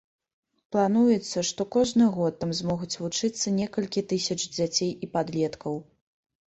Плануецца, што кожны год там змогуць вучыцца некалькі тысяч дзяцей і падлеткаў.